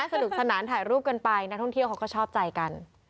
สนุกสนานถ่ายรูปกันไปนักท่องเที่ยวเขาก็ชอบใจกัน